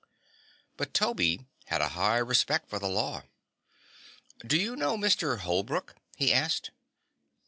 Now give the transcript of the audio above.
But Toby had a high respect for the law. "Do you know Mr. Holbrook?" he asked.